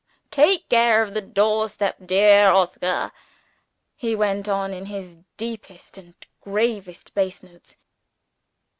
Take care of the door step, dear Oscar," he went on, in his deepest and gravest bass notes.